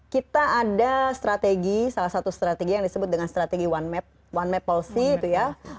kita ada strategi salah satu strategi yang disebut dengan strategi one map policy itu ya